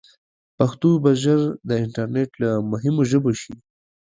پښتو به ژر د انټرنیټ له مهمو ژبو شي.